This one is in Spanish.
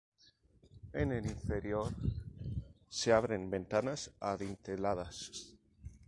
En el inferior, se abren ventanas adinteladas.